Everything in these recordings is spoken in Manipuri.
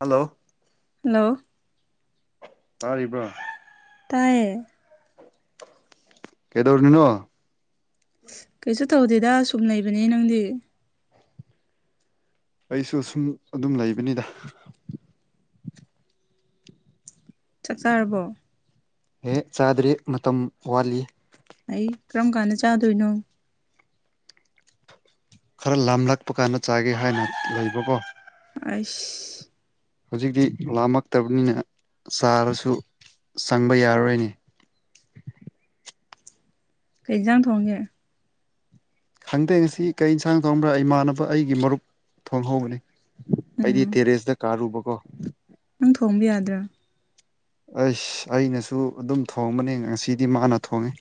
ꯍꯜꯂꯣ ꯍꯜꯂꯣ ꯇꯥꯔꯤꯕ꯭ꯔꯣ ꯇꯥꯏꯌꯦ ꯀꯩꯗꯧꯔꯤꯅꯣ ꯀꯩꯁꯨ ꯇꯧꯗꯦꯗ ꯁꯨꯝ ꯂꯩꯕꯅꯦ ꯅꯪꯗꯤ ꯑꯩꯁꯨ ꯑꯁꯨꯝ ꯑꯗꯨꯝ ꯂꯩꯕꯅꯤꯗ ꯆꯥꯛ ꯆꯥꯔꯕꯣ ꯍꯦ ꯆꯥꯗꯔ꯭ꯤ ꯃꯇꯝ ꯋꯥꯠꯂꯤ ꯑꯩ ꯀꯔꯝ ꯀꯥꯟꯗ ꯆꯥꯗꯣꯏꯅꯣ ꯈꯔ ꯂꯥꯝꯂꯛꯄ ꯀꯥꯟꯗ ꯆꯥꯒꯦ ꯍꯥꯏꯅ ꯂꯩꯕꯀꯣ ꯑꯁ ꯍꯧꯖꯤꯛꯇꯤ ꯂꯥꯝꯃꯛꯇꯕꯅꯤꯅ ꯆꯥꯔꯁꯨ ꯆꯪꯕ ꯌꯥꯔꯣꯏꯅꯦ ꯀꯩ ꯍꯦꯝꯖꯥꯡ ꯊꯣꯡꯉꯦ ꯈꯪꯗꯦ ꯑꯁꯤ ꯀꯔꯤ ꯌꯦꯟꯁꯥꯡ ꯊꯣꯡꯕ꯭ꯔꯥ ꯏꯃꯥꯟꯅꯕ ꯑꯩꯒꯤ ꯃꯔꯨꯞ ꯊꯣꯡꯍꯧꯕꯅꯤ ꯎꯝ ꯑꯩꯗꯤ ꯇꯦꯔꯦꯁꯇ ꯀꯥꯔꯨꯕꯀꯣ ꯅꯪ ꯊꯣꯡꯕ ꯌꯥꯗ꯭ꯔꯥ ꯑꯩꯁ ꯑꯩꯅꯁꯨ ꯑꯗꯨꯝ ꯊꯣꯡꯕꯅꯦ ꯉꯁꯤꯗꯤ ꯃꯥꯅ ꯊꯣꯡꯉꯦ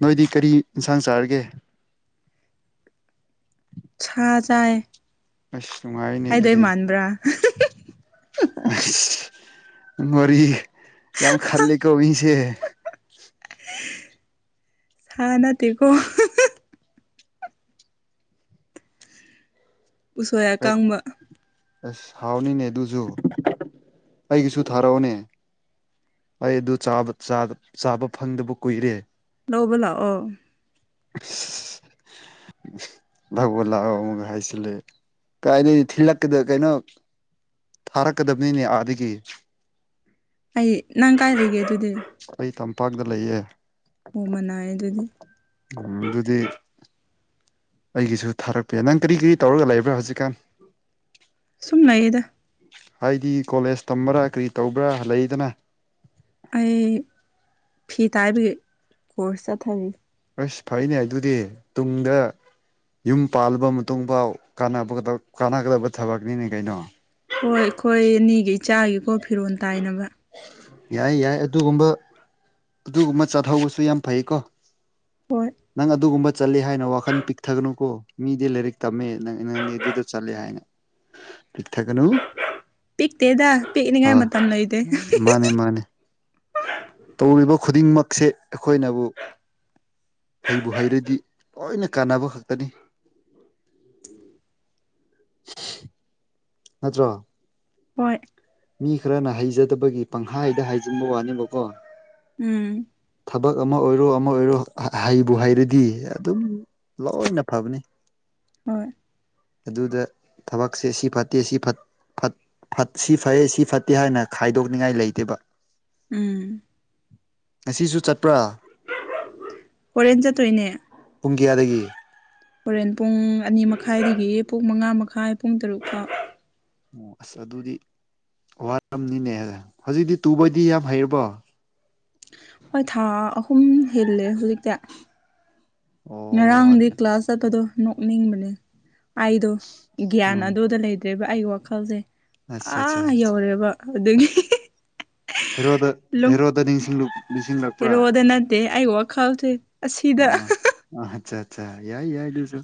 ꯅꯣꯏꯗꯤ ꯀꯔꯤ ꯏꯟꯁꯥꯡ ꯆꯥꯔꯒꯦ ꯁꯥ ꯆꯥꯏ ꯑꯁ ꯅꯨꯡꯉꯥꯏꯅꯦ ꯍꯥꯏꯗꯣꯏ ꯑꯗꯨꯗꯤ ꯃꯥꯟꯕ꯭ꯔꯥ ꯋꯥꯔꯤ ꯌꯥꯝ ꯈꯜꯂꯦꯀꯣ ꯃꯤꯁꯦ ꯁꯥ ꯅꯥꯠꯇꯦ ꯀꯣ ꯎꯁꯣꯏ ꯍꯦꯛ ꯑꯥꯀꯪꯕ ꯑꯁ ꯍꯥꯎꯅꯤꯅꯦ ꯑꯗꯨꯁꯨ ꯑꯩꯒꯤꯁꯨ ꯊꯥꯔꯛꯑꯣꯅꯦ ꯑꯩ ꯑꯗꯨ ꯆꯥꯕ ꯐꯪꯗꯕ ꯀꯨꯏꯔꯦ ꯂꯧꯕ ꯂꯥꯛꯑꯣ [inaudible] ꯂꯧꯕ ꯂꯛꯑꯣꯒ ꯍꯥꯏꯖꯤꯜꯂꯦ ꯀꯥꯏꯗꯩ ꯊꯤꯂꯛꯗ ꯀꯩꯅꯣ ꯊꯥꯔꯛꯀꯗꯕꯅꯤꯅꯦ ꯑꯥꯗꯒꯤ ꯑꯩ ꯅꯪ ꯀꯥꯏ ꯂꯩꯒꯦ ꯑꯗꯨꯗꯤ ꯑꯩ ꯇꯝꯄꯥꯛꯇ ꯂꯩꯌꯦ ꯎ ꯃꯅꯥꯏꯌꯦ ꯑꯗꯨꯗꯤ ꯎꯝ ꯑꯗꯨꯗꯤ ꯑꯩꯒꯤꯁꯨ ꯊꯥꯔꯛꯇꯦꯅꯪ ꯀꯔꯤ ꯀꯔꯤ ꯇꯧꯔꯒ ꯂꯩꯕ꯭ꯔꯥ ꯍꯧꯖꯤꯛꯀꯥꯟ ꯁꯨꯝ ꯂꯩꯌꯦꯗ ꯍꯥꯏꯗꯤ ꯀꯣꯂꯦꯖ ꯇꯝꯕ꯭ꯔꯥ ꯀꯔꯤ ꯇꯧꯕ꯭ꯔꯥ ꯂꯩꯗꯅ ꯑꯩ ꯐꯤ ꯇꯥꯏꯕꯒꯤ ꯀꯣꯔꯁ ꯆꯠꯊꯔꯤ ꯑꯁ ꯐꯩꯅꯦ ꯑꯗꯨꯗꯤ ꯇꯨꯡꯗ ꯌꯨꯝ ꯄꯥꯜꯂꯕ ꯃꯇꯨꯡꯐꯥꯎ ꯀꯥꯟ ꯀꯥꯟꯅꯒꯗꯕ ꯊꯕꯛꯅꯤꯅꯦ ꯀꯩꯅꯣ ꯍꯣꯏ ꯑꯩꯈꯣꯏ ꯑꯅꯤꯒꯤ ꯏꯆꯥꯒꯤꯀꯣ ꯐꯤꯔꯣꯜ ꯇꯥꯏꯅꯕ ꯌꯥꯏ ꯌꯥꯏ ꯑꯗꯨꯒꯨꯝꯕ ꯑꯗꯨꯒꯨꯝꯕ ꯆꯥꯊꯧꯕꯁꯨ ꯌꯥꯝ ꯐꯩꯀꯣ ꯍꯣꯏ ꯅꯪ ꯑꯗꯨꯒꯨꯝꯕ ꯆꯠꯂꯦ ꯍꯥꯏꯅ ꯋꯥꯈꯜ ꯄꯤꯛꯊꯒꯅꯨꯀꯣ ꯃꯤꯗꯤ ꯂꯥꯏꯔꯤꯛ ꯇꯝꯃꯦ ꯅꯪꯅꯦ ꯑꯗꯨꯗ ꯆꯠꯂꯦ ꯍꯥꯏꯅ ꯄꯤꯛꯊꯒꯅꯨ ꯄꯤꯛꯇꯦꯗ ꯄꯤꯛꯅꯤꯉꯥꯏ ꯍꯣꯏ ꯃꯇꯝ ꯂꯩꯇꯦ ꯃꯥꯅꯦ ꯃꯥꯅꯦ ꯇꯧꯔꯤꯕ ꯈꯨꯗꯤꯡꯃꯛꯁꯦ ꯑꯩꯈꯣꯏꯅꯕꯨ ꯍꯩꯕꯨ ꯍꯩꯔꯗꯤ ꯂꯣꯏꯅ ꯀꯥꯟꯅꯕ ꯈꯛꯇꯅꯤ ꯅꯠꯇ꯭ꯔꯣ ꯍꯣꯏ ꯃꯤ ꯈꯔꯅ ꯍꯩꯖꯗꯕꯒꯤ ꯄꯪꯍꯥꯏꯗ ꯍꯥꯏꯖꯤꯟꯕ ꯋꯥꯅꯦꯕꯀꯣ ꯎꯝ ꯊꯕꯛ ꯑꯃ ꯑꯣꯏꯔꯣ ꯑꯃ ꯑꯣꯏꯔꯣ ꯍꯩꯕꯨ ꯍꯥꯏꯔꯗꯤ ꯑꯗꯨꯝ ꯂꯣꯏꯅ ꯐꯕꯅꯤ ꯍꯣꯏ ꯑꯗꯨꯗ ꯊꯕꯛꯁꯦ ꯁꯤ ꯐꯠꯇꯦ ꯁꯤ ꯐꯩꯌꯦ ꯁꯤ ꯐꯠꯇꯦ ꯍꯥꯏꯅ ꯈꯥꯏꯗꯣꯛꯅꯤꯡꯉꯥꯏ ꯂꯩꯇꯦꯕ ꯎꯝ ꯉꯁꯤꯁꯨ ꯆꯠꯄ꯭ꯔꯥ ꯍꯣꯔꯦꯟ ꯆꯠꯇꯣꯏꯅꯦ ꯄꯨꯡ ꯀꯌꯥꯗꯒꯤ ꯍꯣꯔꯦꯟ ꯄꯨꯡ ꯑꯅꯤ ꯃꯈꯥꯏꯗꯒꯤ ꯄꯨꯡ ꯃꯉꯥ ꯃꯈꯥꯏ ꯄꯨꯡ ꯇꯔꯨꯛꯀ ꯑꯣ ꯑꯁ ꯑꯗꯨꯗꯤ ꯋꯥꯔꯝꯅꯤꯅꯦ ꯍꯧꯖꯤꯛꯇꯤ ꯇꯨꯕꯗꯤ ꯌꯥꯝ ꯍꯩꯔꯕꯣ ꯍꯣꯏ ꯊꯥ ꯑꯍꯨꯝ ꯍꯦꯜꯂꯦ ꯍꯧꯖꯤꯛꯇꯤ ꯑꯣ ꯉꯔꯥꯡꯗꯤ ꯀ꯭ꯂꯥꯁ ꯆꯠꯄꯗꯣ ꯅꯣꯛꯅꯤꯡꯕꯅꯦ ꯑꯩꯗꯣ ꯒ꯭ꯌꯥꯟ ꯎꯝ ꯑꯗꯨꯗ ꯂꯩꯇ꯭ꯔꯦꯕ ꯑꯩꯒꯤ ꯋꯥꯈꯜꯁꯦ ꯑꯠꯆꯥ ꯑꯠꯆꯥ ꯑꯥ ꯌꯧꯔꯦꯕ ꯑꯗꯨ ꯑꯗꯨ ꯍꯦꯔꯣꯗ ꯍꯦꯔꯣꯗ ꯅꯤꯡꯁꯤꯡ ꯅꯤꯡꯁꯤꯡꯂꯛꯄ꯭ꯔꯥ ꯍꯦꯔꯣꯗ ꯅꯠꯇꯦ ꯑꯩ ꯋꯥꯈꯜꯁꯦ ꯑꯁꯤꯗ ꯑꯥ ꯑ ꯑꯆꯥ ꯑꯠꯆꯥ ꯌꯥꯏ ꯌꯥꯏ ꯁꯨ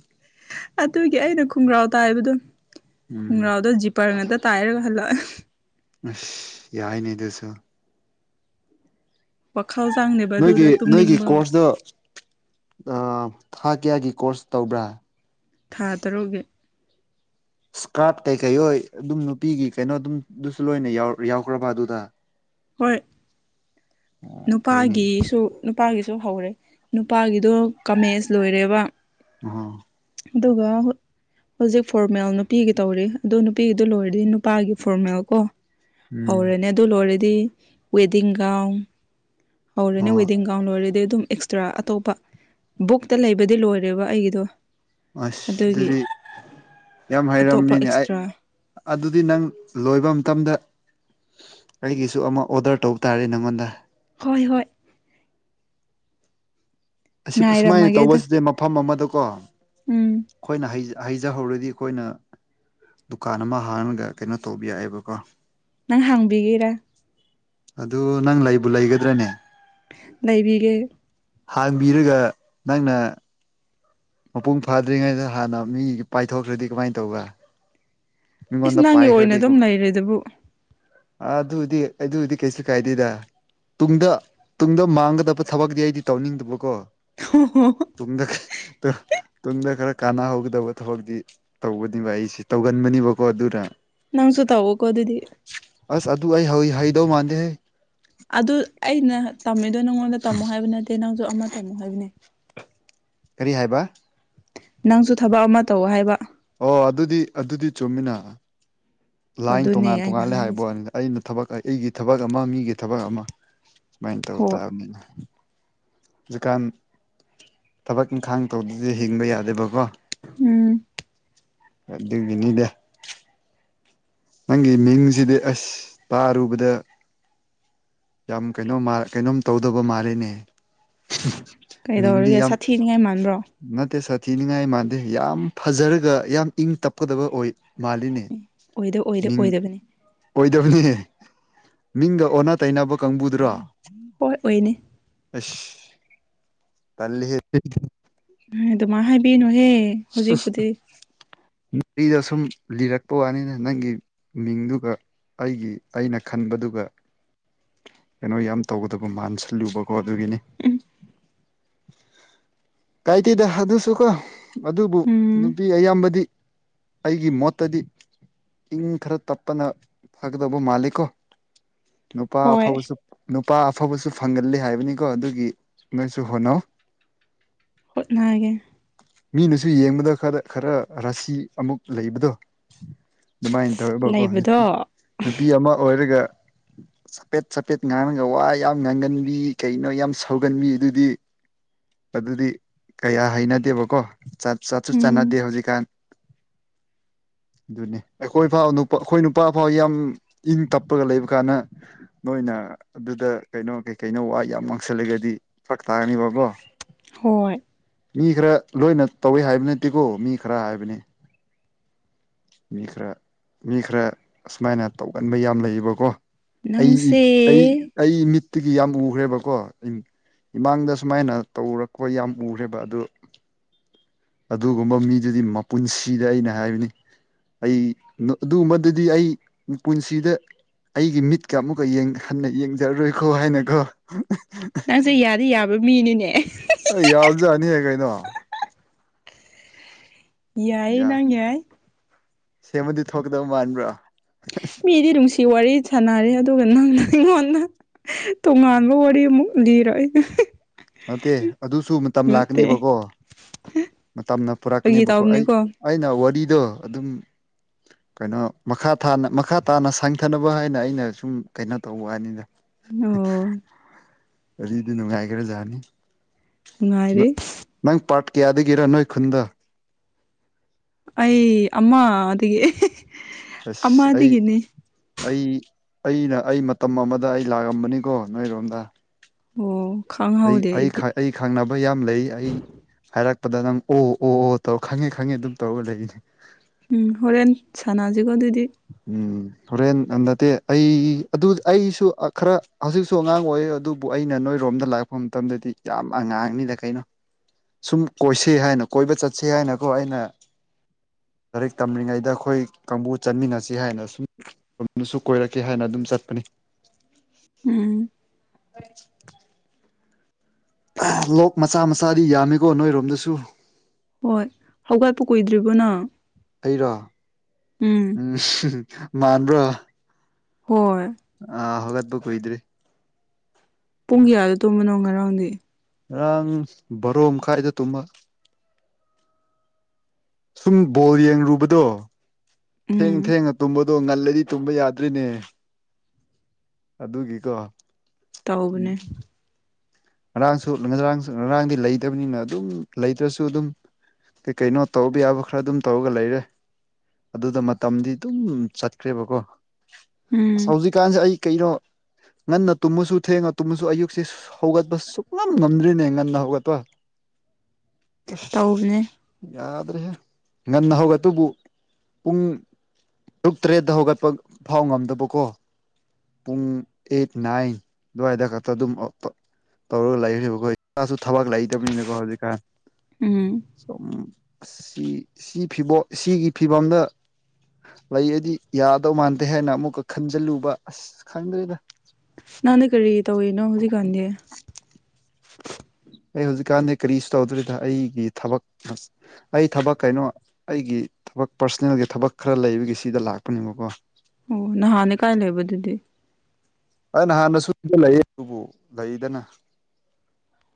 ꯑꯗꯨꯒꯤ ꯑꯩꯅ ꯈꯣꯡꯒ꯭ꯔꯥꯎ ꯇꯥꯏꯕꯗꯣ ꯎꯝ ꯈꯣꯡꯒ꯭ꯔꯥꯎꯗꯖꯤ ꯄꯔ ꯉꯇ ꯇꯥꯏꯔꯒ ꯍꯜꯂꯛꯑ ꯑꯁ ꯌꯥꯏꯅꯦ ꯑꯗꯨꯁꯨ ꯋꯥꯈꯥꯎꯖꯪꯕ ꯅꯣꯏꯒꯤ ꯅꯣꯏꯒꯤ ꯀꯣꯔꯁꯇꯣ ꯊꯥ ꯀꯌꯥꯒꯤ ꯀꯣꯔꯁ ꯇꯧꯕ꯭ꯔꯥ ꯊꯥ ꯇꯔꯨꯛꯒꯤ ꯏꯁꯀꯥꯔꯠ ꯀꯩꯀꯩ ꯍꯣꯏ ꯑꯗꯨꯝ ꯅꯨꯄꯤꯒꯤ ꯀꯩꯅꯣ ꯑꯗꯨꯝꯗꯨꯁꯨ ꯂꯣꯏꯅ ꯌꯥꯎꯈ꯭ꯔꯕ ꯑꯗꯨꯗ ꯍꯣꯏ ꯑꯣ ꯐꯩꯅꯦ ꯅꯨꯄꯥꯒꯤꯁꯨ ꯅꯨꯄꯥꯒꯤꯁꯨ ꯍꯧꯔꯦ ꯅꯨꯄꯥꯒꯤꯗꯣ ꯀꯃꯦꯖ ꯂꯣꯏꯔꯦꯕ ꯑ ꯑꯗꯨꯒ ꯍꯧꯖꯤꯛ ꯐꯣꯔꯃꯦꯜ ꯅꯨꯄꯤꯒꯤ ꯇꯧꯔꯤ ꯑꯗꯣ ꯅꯨꯄꯤꯒꯤꯗꯨ ꯂꯣꯏꯔꯗꯤ ꯅꯨꯄꯥꯒꯤ ꯐꯣꯔꯃꯦꯜ ꯀꯣ ꯎꯝ ꯍꯧꯔꯦꯅꯦ ꯑꯗꯨ ꯂꯣꯏꯔꯗꯤ ꯋꯦꯗꯤꯡ ꯒꯥꯎꯟ ꯍꯧꯔꯦꯅꯦ ꯑꯣ ꯋꯦꯗꯤꯡ ꯒꯥꯎꯟ ꯂꯔꯗꯤ ꯑꯗꯨꯝ ꯅꯠꯇ꯭ꯔꯥ ꯑꯇꯣꯞꯄ ꯕꯨꯛꯇ ꯂꯩꯕꯗꯤ ꯂꯣꯏꯔꯦꯕ ꯑꯩꯒꯤꯗꯣ ꯑꯁ ꯑꯗꯨꯒꯤ ꯑꯗꯨꯗꯤ ꯌꯥꯝ ꯑꯇꯣꯞꯄ ꯍꯩꯔꯕꯔꯕꯅꯤꯅꯦ ꯑꯩ ꯑꯦꯛꯁꯇ꯭ꯔꯥ ꯑꯗꯨꯗꯤ ꯅꯪ ꯂꯣꯏꯕ ꯃꯇꯝꯗ ꯑꯩꯒꯤꯁꯨ ꯑꯃ ꯑꯣꯗꯔ ꯇꯧꯕ ꯇꯥꯔꯦ ꯅꯪꯉꯣꯟꯗ ꯍꯣꯏ ꯍꯣꯏ ꯑꯁꯨꯃꯥꯏꯅ ꯉꯥꯏꯔꯝꯃꯒꯦ ꯑꯗꯣ ꯇꯧꯕꯁꯤꯗꯤ ꯃꯐꯝ ꯑꯃꯗꯀꯣ ꯎꯝ ꯑꯩꯈꯣꯏꯅ ꯍꯩꯖ ꯍꯩꯖꯍꯧꯔꯗꯤ ꯑꯩꯈꯣꯏꯅ ꯗꯨꯀꯥꯟ ꯑꯃ ꯍꯥꯡꯉꯒ ꯀꯩꯅꯣ ꯇꯧꯕ ꯌꯥꯏꯑꯦꯕꯀꯣ ꯅꯪ ꯍꯥꯡꯕꯤꯒꯦꯔꯥ ꯑꯗꯨ ꯅꯪ ꯂꯩꯕꯨ ꯂꯩꯒꯗ꯭ꯔꯅꯦ ꯂꯩꯩꯕꯤꯒꯦ ꯍꯥꯡꯕꯤꯔꯒ ꯅꯪꯅ ꯃꯄꯨꯡ ꯐꯥꯗ꯭ꯔꯤꯉꯩꯗ ꯍꯥꯟꯅ ꯃꯤ ꯄꯥꯏꯊꯣꯛꯈ꯭ꯔꯗꯤ ꯀꯃꯥꯏꯅ ꯇꯧꯕ ꯃꯤ ꯏꯁ ꯃꯗ ꯅꯪꯒꯤ ꯄꯥꯏ ꯑꯣꯏꯅ ꯈꯔꯗ ꯑꯗꯨꯝ ꯂꯩꯔꯦꯗꯨꯕꯨ ꯑꯗꯨꯗꯤ ꯑꯗꯨꯗꯤ ꯀꯩꯁꯨ ꯀꯥꯏꯗꯦꯗ ꯇꯨꯡꯗ ꯇꯨꯡꯗ ꯃꯥꯡꯒꯗꯕ ꯊꯕꯛꯇꯤ ꯑꯩꯗꯤ ꯇꯧꯅꯤꯡꯗꯕꯀꯣ ꯍ ꯍ ꯨꯡꯗ ꯇꯨꯡꯗ ꯈꯔ ꯀꯥꯟꯅꯍꯧꯒꯗꯕ ꯊꯕꯛꯇꯤ ꯇꯧꯕꯅꯤꯕ ꯑꯩꯁꯤ ꯇꯧꯒ ꯃꯅꯤꯕ ꯑꯗꯨꯔꯥ ꯅꯪꯁꯨꯨ ꯇ ꯍꯒꯗꯗꯤ ꯑꯁ ꯑꯗꯨ ꯑꯩ ꯍꯏ ꯍꯩꯗꯧ ꯃꯥꯟꯗꯦꯍꯦ ꯑꯗꯨ ꯑꯩꯅ ꯇꯝꯃꯤꯗꯣ ꯅꯪꯉꯣꯟꯗ ꯇꯝꯃꯣ ꯍꯥꯏꯕ ꯅꯠꯇ ꯑꯦ ꯅꯪꯁꯨ ꯑꯃ ꯇ ꯑꯃꯨꯛ ꯍꯥꯏꯕꯅꯦ ꯀꯔꯤ ꯍꯥꯏꯕ ꯅꯪꯁꯨ ꯊꯕꯛ ꯑꯃ ꯇꯧ ꯍꯥꯏꯕ ꯑꯣ ꯑꯗꯨꯗꯤ ꯑꯗꯨꯗꯤ ꯆꯨꯝꯃꯤꯅ ꯂꯥꯏꯟ ꯇꯣꯉꯥꯟ ꯑꯗꯨꯅꯦ ꯑꯩꯅ ꯇꯣꯉꯥꯂꯦ ꯍꯥꯏꯔꯤꯁꯦ ꯍꯥꯏꯕꯅꯤꯗ ꯑꯩꯅ ꯊꯕꯛ ꯑꯩꯒꯤ ꯊꯕꯛ ꯑꯃ ꯃꯤꯒꯤ ꯊꯕꯛ ꯑꯃ ꯁꯨꯃꯥꯏꯅ ꯇꯧ ꯍꯣꯏ ꯇꯥꯕꯅꯤꯅ ꯖꯀꯥꯟ ꯊꯕꯛ ꯏꯪꯈꯥꯡ ꯇꯧꯗꯗꯤ ꯍꯤꯡꯕ ꯌꯥꯗꯦꯕꯀꯣ ꯎꯝ ꯑꯗꯨ ꯑꯗꯨꯗꯤꯅꯤꯗꯦ ꯅꯪꯒꯤ ꯃꯤꯡꯁꯤꯗꯤ ꯑꯁ ꯇꯥꯔꯨꯕꯗ ꯌꯥꯝ ꯀꯩꯅꯣꯝ ꯀꯩꯅꯣꯝ ꯇꯧꯗꯕ ꯃꯥꯜꯂꯤꯦꯅꯦ ꯃꯤꯡꯗꯤ ꯀꯩꯗꯧꯔꯒꯦ ꯌꯥꯝ [unintelligible] ꯅꯠꯇꯦ ꯁꯥꯊꯤꯅꯤꯉꯥꯏ ꯃꯥꯟꯗꯦ ꯌꯥꯝ ꯐꯖꯔꯒ ꯌꯥꯝ ꯏꯪ ꯇꯞꯀꯗꯕ ꯑꯣꯏ ꯃꯥꯜꯂꯤꯅꯦ ꯑꯣꯏꯗ ꯑꯣꯏꯗ ꯑꯣꯏꯗꯕꯅꯦ ꯑꯣꯏꯗꯕꯅꯤ ꯃꯤꯡꯗ ꯑꯣꯟꯅ ꯇꯩꯅꯕ ꯀꯥꯡꯕꯨꯗ꯭ꯔꯣ ꯍꯣꯏ ꯑꯣꯏꯅꯦ ꯑꯁ ꯇꯜꯂꯤꯍꯦ ꯎ ꯑꯗꯨꯃ ꯍꯥꯏꯕꯤꯅꯨꯍꯦ ꯍꯧꯖꯤꯛꯄꯨꯗꯤ ꯎ ꯑꯩꯗꯣ ꯁꯨꯝ ꯂꯤꯔꯛꯄ ꯋꯥꯅꯤꯅ ꯅꯪꯒꯤ ꯃꯤꯡꯗꯨꯒ ꯑꯩꯒꯤ ꯑꯩꯅ ꯈꯟꯕꯗꯨꯒ ꯀꯩꯅꯣ ꯌꯥꯝ ꯇꯧꯒꯗꯕ ꯃꯥꯟꯁꯤꯜꯂꯨꯕꯀꯣ ꯑꯗꯨꯒꯤꯅꯤ ꯎꯝ ꯀꯥꯏꯇꯤꯗ ꯍꯥꯗꯨꯁꯨ ꯀꯣ ꯑꯗꯨꯕꯨ ꯎꯝ ꯅꯨꯄꯤ ꯑꯌꯥꯝꯕꯗꯤ ꯑꯩꯒꯤ ꯃꯣꯠꯇꯗꯤ ꯏꯪ ꯈꯔ ꯇꯞꯄꯅ ꯐꯒꯗꯧꯕ ꯃꯥꯜꯂꯤ ꯀꯣ ꯅꯨꯄꯥ ꯍꯣꯏ ꯑꯐꯕꯁꯨ ꯅꯨꯄꯥ ꯑꯐꯕꯁꯨ ꯐꯪꯒꯜꯂꯤ ꯍꯥꯏꯕꯅꯤꯀꯣ ꯑꯗꯨꯒꯤ ꯅꯣꯏꯁꯨ ꯍꯣꯠꯅꯧ ꯍꯣꯠꯅꯒꯦ ꯃꯤꯅꯁꯨ ꯌꯦꯡꯕꯗ ꯈꯔ ꯈꯔ ꯔꯥꯁꯤ ꯑꯃꯨꯛ ꯂꯩꯕꯗꯣ ꯑꯗꯨꯃꯥꯏꯅ ꯇꯧꯋꯦꯕꯀꯣ ꯅꯨꯄꯤ ꯂꯩꯕꯗꯣ ꯅꯨꯄꯤ ꯑꯃ ꯑꯣꯏꯔꯒ ꯆꯄꯦꯠ ꯆꯄꯦꯠ ꯉꯥꯡꯉꯒ ꯋꯥ ꯌꯥꯝ ꯉꯥꯡꯒꯟꯕꯤ ꯀꯩꯅꯣ ꯌꯥꯝ ꯁꯧꯒꯟꯕꯤ ꯑꯗꯨꯗꯤ ꯑꯗꯨꯗꯤ ꯀꯌꯥ ꯍꯩꯅꯗꯦꯕꯀꯣ ꯆꯠ ꯆꯠꯁꯨ ꯎꯝ ꯆꯥꯟꯅꯗꯦ ꯍꯧꯖꯤꯛꯀꯥꯟ ꯑꯗꯨꯅꯤ ꯑꯩꯈꯣꯏ ꯐꯥꯎ ꯑꯩꯈꯣꯏ ꯅꯨꯄꯥ ꯐꯥꯎ ꯌꯥꯝ ꯏꯪ ꯇꯞꯄꯒ ꯂꯩꯕ ꯀꯥꯟꯗ ꯅꯣꯏꯅ ꯑꯗꯨꯗ ꯀꯩꯅꯣ ꯀꯩ ꯀꯩꯅꯣ ꯋꯥ ꯌꯥꯝ ꯃꯥꯡꯁꯤꯜꯂꯒꯗꯤ ꯐꯔꯛ ꯇꯥꯔꯅꯤꯕꯀꯣ ꯍꯣꯏ ꯃꯤ ꯈꯔ ꯂꯣꯏꯅ ꯇꯧꯋꯤ ꯍꯥꯏꯕ ꯅꯠꯇꯦꯀꯣ ꯃꯤ ꯈꯔ ꯍꯥꯏꯕꯅꯤ ꯃꯤ ꯈꯔ ꯃꯤ ꯈꯔ ꯑꯁꯨꯃꯥꯏꯅ ꯇꯧꯒꯟꯕ ꯌꯥꯝ ꯂꯩꯌꯦꯕꯀꯣ ꯑꯩ ꯅꯪꯁꯦ ꯑꯩ ꯑꯩ ꯃꯤꯠꯇꯒꯤ ꯌꯥꯝ ꯎꯈ꯭ꯔꯦꯕꯀꯣ ꯏꯃꯥꯡꯗ ꯁꯨꯃꯥꯏꯅ ꯇꯧꯔꯛꯄ ꯌꯥꯝ ꯎꯈ꯭ꯔꯦꯕ ꯑꯗꯨ ꯑꯗꯨꯒꯨꯝꯕ ꯃꯤꯗꯨꯗꯤ ꯃꯄꯨꯟꯁꯤꯗ ꯑꯩꯅ ꯍꯥꯏꯕꯅꯤ ꯑꯩ ꯑꯗꯨꯝꯕꯗꯗꯤ ꯑꯩ ꯄꯨꯟꯁꯤꯗ ꯑꯩꯒꯤ ꯃꯤꯠꯀ ꯑꯃꯨꯛꯀ ꯍꯟꯅ ꯌꯦꯡꯖꯔꯔꯣꯏꯈꯣ ꯍꯥꯏꯅꯒꯣ [unintelligible] ꯅꯪꯁꯦ ꯌꯥꯗꯤ ꯌꯥꯕ ꯃꯤꯅꯤꯅꯦ ꯑꯩ ꯌꯥꯝꯖꯅꯤꯍ ꯀꯩꯅꯣ ꯌꯥꯏꯌꯦ ꯌꯥ ꯅꯪ ꯌꯥꯏ ꯁꯦꯝꯃꯗꯤ ꯊꯣꯛꯀꯗꯕ ꯃꯥꯟꯕ꯭ꯔꯣ ꯃꯤꯗꯤ ꯅꯨꯡꯁꯤ ꯋꯥꯔꯤ ꯁꯥꯟꯅꯔꯦ ꯑꯗꯨꯒ ꯅꯪꯅ ꯑꯩꯉꯣꯟꯗ ꯇꯣꯉꯥꯟꯕ ꯋꯥꯔꯤ ꯑꯃꯨꯛ ꯂꯤꯔꯛꯑꯦ ꯅꯠꯇꯦ ꯑꯗꯨꯁꯨ ꯃꯇꯝ ꯅꯠꯇꯦ ꯂꯥꯛꯀꯅꯦꯕꯀꯣ ꯃꯇꯝꯅ ꯐꯥꯒꯤ ꯄꯨꯔꯛꯀꯅꯦꯕꯀꯣ ꯑꯩ ꯇꯧꯕꯅꯤꯀꯣ ꯑꯩꯅ ꯋꯥꯔꯤꯗꯣ ꯑꯗꯨꯝ ꯀꯩꯅꯣ ꯃꯈꯥ ꯊꯥꯅ ꯃꯈꯥ ꯇꯥꯅ ꯁꯥꯡꯊꯅꯕ ꯍꯥꯏꯅ ꯑꯩꯅ ꯁꯨꯝ ꯀꯩꯅꯣ ꯇꯧꯕ ꯋꯥꯅꯤꯗ ꯑꯣ ꯋꯥꯔꯤꯗꯤ ꯅꯨꯡꯉꯥꯏꯈ꯭ꯔꯖꯥꯅꯤ ꯅꯨꯡꯉꯥꯏꯔꯤ ꯅꯪ ꯄꯥꯔꯠ ꯀꯌꯥꯗꯒꯤꯔ ꯅꯣꯏ ꯈꯨꯟꯗ ꯑꯩ ꯑꯃ ꯑꯗꯒꯤ ꯑꯁ ꯑꯩ ꯑꯩ ꯑꯩꯅ ꯑꯩ ꯃꯇꯝ ꯑꯃꯗ ꯑꯩ ꯂꯥꯛꯑꯝꯕꯅꯤꯀꯣ ꯅꯣꯏꯔꯣꯝꯗ ꯑꯣ ꯑꯩ ꯈꯪꯍꯧꯗꯦ ꯑꯩꯗꯤ ꯑꯩ ꯈꯪꯅꯕ ꯌꯥꯝ ꯂꯩ ꯑꯩ ꯍꯥꯏꯔꯛꯄꯗ ꯅꯪ ꯑꯣ ꯑꯣ ꯑꯣ ꯇꯧꯔ ꯈꯪꯉꯦ ꯈꯪꯉꯦ ꯑꯗꯨꯝ ꯇꯧꯔꯒ ꯂꯩꯔꯤꯅꯤ ꯎꯝ ꯍꯣꯔꯦꯟ ꯁꯥꯟꯅꯁꯤꯀꯣ ꯑꯗꯨꯗꯤ ꯎꯝ ꯍꯣꯔꯦꯟ ꯅꯠꯇꯦ ꯑꯩ ꯑꯗꯨ ꯑꯩꯁꯨ ꯈꯔ ꯍꯧꯖꯤꯛꯁꯨ ꯑꯉꯥꯡ ꯑꯣꯏ ꯑꯗꯨꯕꯨ ꯑꯩꯅ ꯅꯣꯏꯔꯣꯝꯗ ꯂꯥꯛꯄ ꯂꯥꯛꯄ ꯃꯇꯝꯗꯗꯤ ꯌꯥꯝ ꯑꯉꯥꯡꯅꯤꯅ ꯀꯩꯅꯣ ꯁꯨꯝ ꯀꯣꯏꯁꯤ ꯍꯥꯏꯅ ꯀꯣꯏꯕ ꯆꯠꯁ ꯍꯥꯏꯅꯀꯣ ꯑꯩꯅ ꯂꯥꯏꯔꯤꯛ ꯇꯝꯂꯤꯔꯤꯉꯩꯗ ꯑꯩꯈꯣꯏ ꯀꯥꯡꯕꯨ ꯆꯠꯃꯤꯟꯅꯁꯤ ꯍꯥꯏꯅ ꯁꯨꯝꯅꯁꯨ ꯀꯣꯏꯔꯛꯀꯦ ꯍꯥꯏꯅ ꯑꯗꯨꯝ ꯆꯠꯄꯅꯤ ꯎꯝ [unintelligible] ꯂꯣꯛ ꯃꯆꯥ ꯃꯆꯥꯗꯤ ꯌꯥꯝꯃꯤꯀꯣ ꯅꯣꯏꯔꯣꯝꯗꯁꯨ ꯍꯣꯏ ꯍꯧꯒꯠꯄ ꯀꯨꯏꯗ꯭ꯔꯤꯕꯅꯪ ꯑꯩꯔꯣ ꯎꯝ ꯃꯥꯟꯕ꯭ꯔꯣ ꯍꯣꯏ ꯑ ꯍꯧꯒꯠꯄꯥ ꯀꯨꯏꯗꯔ꯭ꯤ ꯄꯨꯡ ꯀꯌꯥꯗ ꯇꯨꯝꯕꯅꯣ ꯉꯔꯥꯡꯗꯤ ꯉꯔꯥꯡ ꯕꯥꯔꯣ ꯃꯈꯥꯏꯗ ꯇꯨꯝꯕ ꯁꯨꯝ ꯕꯣꯜ ꯌꯦꯡꯔꯨꯕꯗꯣ ꯊꯦꯡ ꯎꯝ ꯊꯦꯡ ꯇꯨꯝꯕ ꯑꯗꯣ ꯉꯜꯂꯗꯤ ꯇꯨꯝꯕ ꯌꯥꯗ꯭ꯔꯤꯅꯦ ꯑꯗꯨꯒꯤꯀꯣ ꯇꯧꯕꯅꯦ ꯉꯔꯥꯡꯁꯨ ꯉꯔꯥꯡꯁꯨ ꯉꯔꯥꯡꯗꯤ ꯂꯩꯇꯕꯅꯤꯅ ꯑꯗꯨꯝ ꯂꯩꯇ꯭ꯔꯁꯨ ꯑꯗꯨꯝ ꯀꯩꯅꯣ ꯇꯧꯕ ꯌꯥꯕ ꯈꯔ ꯑꯗꯨꯝ ꯇꯧꯔꯒ ꯂꯩꯔꯦ ꯑꯗꯨꯗ ꯃꯇꯝꯗꯤ ꯑꯗꯨꯝ ꯆꯠꯈ꯭ꯔꯦꯕꯀꯣ ꯑꯁ ꯎꯝ ꯍꯧꯖꯤꯛꯀꯥꯟꯁꯦ ꯑꯩ ꯀꯩꯅꯣ ꯉꯟꯅ ꯇꯨꯝꯃꯁꯨ ꯊꯦꯡꯉ ꯇꯨꯝꯃꯁꯨ ꯑꯌꯨꯛꯁꯦ ꯍꯧꯒ ꯑꯁ ꯁꯨꯛꯉꯥꯝ ꯉꯝꯗ꯭ꯔꯤꯅꯦ ꯉꯟꯅ ꯍꯧꯒꯠꯄ ꯑꯁ ꯇꯧꯕꯅꯦ ꯌꯥꯗ꯭ꯔꯦꯍꯦ ꯉꯟꯅ ꯍꯧꯒꯠꯕꯕꯨ ꯄꯨꯡ ꯇꯔꯨꯛ ꯇꯔꯦꯠꯇ ꯍꯧꯒꯠꯄ ꯐꯥꯎ ꯉꯝꯗꯕꯀꯣ ꯄꯨꯡ ꯑꯩꯠ ꯅꯥꯏꯟ ꯑꯗꯨꯋꯥꯏꯗ ꯈꯛꯇ ꯑꯗꯨꯝ ꯇꯧꯔꯒ ꯂꯩꯈ꯭ꯔꯦꯕꯀꯣ ꯏꯁꯥꯁꯨ ꯊꯕꯛ ꯂꯩꯇꯕꯅꯤꯅꯀꯣ ꯍꯧꯖꯤꯛꯀꯥꯟ ꯎꯝ ꯁꯨꯝ ꯁꯤ ꯐꯤꯕꯣ ꯁꯤꯒꯤ ꯐꯤꯕꯝꯗ ꯂꯩ ꯑꯩꯗꯤ ꯌꯥꯗꯧ ꯃꯥꯟꯗꯦ ꯍꯥꯏꯅ ꯑꯃꯨꯛꯀ ꯈꯟꯖꯤꯜꯂꯨꯕ ꯑꯁ ꯈꯪꯗ꯭ꯔꯦꯗ ꯅꯪꯥꯟꯅ ꯀꯔꯤ ꯇꯧꯏꯅꯣ ꯍꯧꯖꯤꯛꯀꯥꯟꯗꯤ ꯑꯩ ꯍꯧꯖꯤꯛꯀꯥꯟꯗꯤ ꯀꯔꯤꯁꯨ ꯇꯧꯗ꯭ꯔꯤꯗ ꯑꯩꯒꯤ ꯊꯕꯛ ꯑꯩ ꯊꯕꯛ ꯀꯩꯅꯣ ꯑꯩꯒꯤ ꯊꯕꯛ ꯄꯥꯔꯁꯣꯅꯦꯜꯒꯤ ꯊꯕꯛ ꯈꯔ ꯂꯩꯕꯒꯤ ꯁꯤꯗ ꯂꯥꯛꯄꯅꯦꯕꯀꯣ ꯑꯣ ꯅꯍꯥꯟꯅꯦ ꯀꯥꯏ ꯂꯩꯕꯗꯨꯗꯤ ꯅꯍꯥꯟꯅꯁꯨ ꯂꯩ ꯑꯗꯨꯕꯨ ꯂꯩꯗꯅ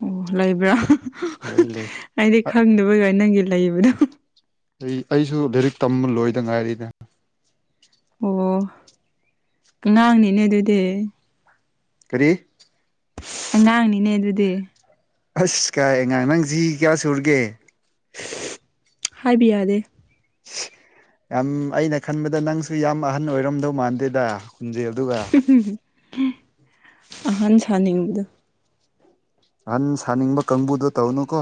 ꯑꯣ ꯂꯩꯕ꯭ꯔꯥ ꯂꯩ ꯂꯩ ꯑꯩꯗꯤ ꯈꯪꯗꯕꯩꯒ ꯅꯪꯒꯤ ꯂꯩꯕꯗꯣ ꯑꯩ ꯑꯩꯁꯨ ꯂꯥꯏꯔꯤꯛ ꯇꯝꯕ ꯂꯣꯏꯗ ꯉꯥꯏꯔꯤꯗ ꯑꯣ ꯑꯉꯥꯡꯅꯤꯅꯦ ꯑꯗꯨꯗꯤ ꯀꯔꯤ ꯑꯉꯥꯡꯅꯤꯅꯦ ꯑꯗꯨꯗꯤ ꯑꯁ ꯀꯥꯏ ꯑꯉꯥꯡ ꯅꯪ ꯆꯍꯤ ꯀꯌꯥ ꯁꯨꯔꯒꯦ ꯍꯥꯏꯕ ꯌꯥꯗꯦ [inaudible] ꯌꯥꯝ ꯑꯩꯅ ꯈꯟꯕꯗ ꯅꯪꯁꯨ ꯌꯥꯝ ꯑꯍꯟ ꯑꯣꯏꯔꯝꯗꯧ ꯃꯥꯟꯗꯦꯗ ꯍꯨꯟꯖꯦꯟ ꯗꯨꯒ ꯑꯍꯥꯟ ꯁꯥꯅꯤꯡꯕꯗꯣ ꯑꯍꯟ ꯁꯥꯅꯤꯡꯕ ꯀꯥꯡꯕꯨꯗꯣ ꯇꯧꯅꯨꯀꯣ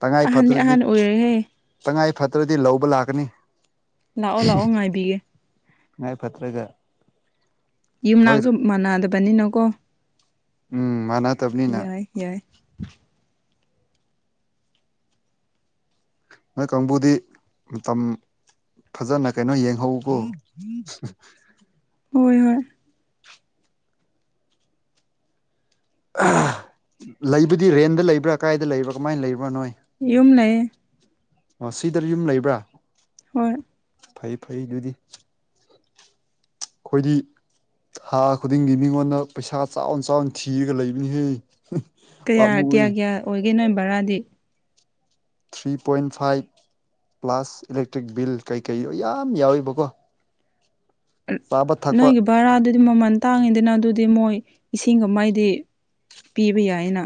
ꯇꯉꯥꯏ ꯑꯍꯟꯗꯤ ꯐꯗ꯭ꯔꯗꯤ ꯑꯍꯟ ꯑꯣꯏꯔꯦꯍꯦ ꯇꯉꯥꯏ ꯐꯗ꯭ꯔꯗꯤ ꯂꯧꯕ ꯂꯥꯛꯀꯅꯤ ꯂꯥꯛꯑꯣ ꯂꯥꯛꯑꯣ ꯉꯥꯏꯕꯤꯒꯦ ꯇꯉꯥꯢ ꯐꯥꯠꯇ꯭ꯔꯒꯥ ꯌꯨꯝꯅꯥꯛꯁꯨ ꯃꯥꯟꯅꯗꯕꯅꯤꯅꯀꯣ ꯎꯝ ꯃꯥꯅ ꯌꯥꯏ ꯌꯥꯏ ꯅꯣꯏ ꯀꯥꯡꯕꯨꯗꯤ ꯃꯇꯝ ꯐꯖꯅ ꯀꯩꯅꯣ ꯌꯦꯡꯍꯧꯕꯀꯣ ꯍꯣꯏ ꯍꯣꯏ ꯂꯩꯕꯨꯗꯤ ꯔꯦꯟꯗ ꯂꯩꯕ꯭ꯔꯥ ꯀꯥꯏꯗ ꯂꯩꯕ꯭ꯔꯥ ꯀꯃꯥꯏꯅ ꯂꯩꯕ꯭ꯔꯥ ꯅꯣꯏ ꯌꯨꯝ ꯂꯩꯌꯦ ꯑꯣ ꯁꯤꯗ ꯌꯨꯝ ꯂꯩꯕ꯭ꯔꯥ ꯍꯣꯢ ꯐꯩ ꯐꯩ ꯑꯗꯨꯗꯤ ꯑꯩꯈꯣꯏꯗꯤ ꯊꯥ ꯈꯨꯗꯤꯡꯒꯤ ꯃꯤꯉꯣꯟꯗ ꯄꯩꯁꯥ ꯆꯥꯎꯅ ꯆꯥꯎꯅ ꯊꯤꯔꯒ ꯂꯩꯕꯅꯤꯍꯦ ꯀꯌꯥ ꯀꯌꯥ ꯄꯥꯝꯃꯨꯏ ꯀꯌꯥ ꯑꯣꯏꯒꯦ ꯅꯣꯏ ꯕꯔꯥꯗꯤ three point five plus electric bill ꯀꯩꯀꯩꯗꯣ ꯌꯥꯝ ꯌꯥꯎꯕꯀꯣ ꯅꯣꯏꯒꯤ ꯕꯔꯥꯗꯨꯗꯤ ꯃꯃꯜ ꯇꯥꯡꯉꯤꯗꯅ ꯑꯗꯨꯗꯤ ꯃꯣꯏ ꯏꯁꯤꯡꯒ ꯃꯥꯏꯗꯤ ꯄꯤꯕ ꯌꯥꯏꯅ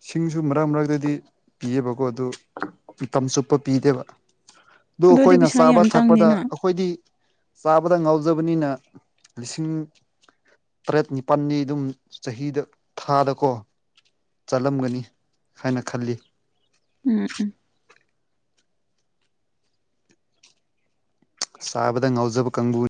ꯁꯤꯡꯁꯨ ꯃꯔꯛ ꯃꯔꯛꯇꯗꯤ ꯄꯤꯌꯦꯕꯀꯣ ꯑꯗꯨ ꯃꯇꯝ ꯆꯨꯞꯄ ꯄꯤꯗꯦꯕ ꯑꯗꯨ ꯑꯗꯨꯗꯤ ꯑꯩꯈꯣꯏꯅ ꯄꯩꯁꯥ ꯆꯥꯕ ꯌꯥꯝ ꯊꯛꯄꯗ ꯆꯪꯅꯤꯅ ꯑꯩꯈꯣꯏꯗꯤ ꯆꯥꯕꯗ ꯉꯥꯎꯖꯕꯅꯤꯅ ꯂꯤꯁꯤꯡ ꯇꯔꯦꯠ ꯅꯤꯄꯥꯜꯅꯤ ꯑꯗꯨꯝ ꯆꯍꯤꯗ ꯊꯥꯗꯀꯣ ꯆꯠꯂꯝꯒꯅꯤ ꯍꯥꯏꯅ ꯈꯜꯂꯤ ꯎꯝ ꯎꯝ ꯁꯥꯕꯗ ꯉꯥꯎꯖꯕ ꯀꯥꯡꯕꯨꯅꯤ